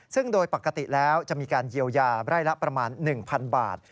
ซึ่งโดยปกติแล้วจะมีการเยียวยาไร่ละประมาณ๑๐๐๐บาท